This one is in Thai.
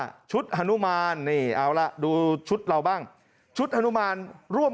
ชุดฮานุมานนี่เอาล่ะดูชุดเราบ้างชุดฮานุมานร่วม